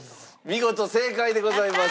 見事正解でございます。